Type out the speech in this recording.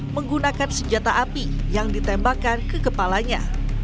menggunakan senjata api yang ditembakkan ke kepalanya